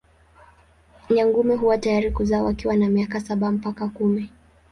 Nyangumi huwa tayari kuzaa wakiwa na miaka saba mpaka kumi.